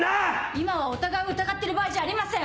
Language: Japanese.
今はお互いを疑ってる場合じゃありません。